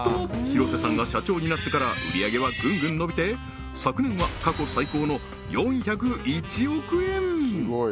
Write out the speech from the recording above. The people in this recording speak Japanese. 廣瀬さんが社長になってから売上げはぐんぐん伸びて昨年は過去最高の４０１億円！